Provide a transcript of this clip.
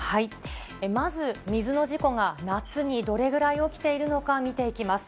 まず、水の事故が夏にどれぐらい起きているのか見ていきます。